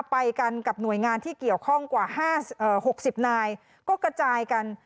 ไปกันกับหน่วยงานที่เกี่ยวข้องกว่า๖๐นายก็กระจายกัน